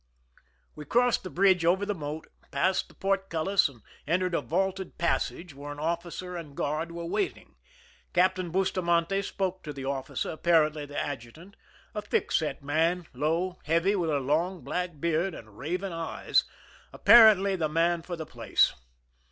We crossed the bridge over the moat, passed the portcullis, and entered a vaulted passage, where an officer and guard were waiting. Captain Busta mante spoke to the officer, apparently the adjutant —a thick set man, low, heavy, with long black beard and raven eyes, apparently the man for the place.